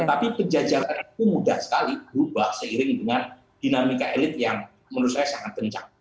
tapi penjajakan itu mudah sekali berubah seiring dengan dinamika elit yang menurut saya sangat kencang